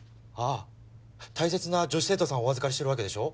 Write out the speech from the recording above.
あ大切な女子生徒さんをお預かりしてるわけでしょ？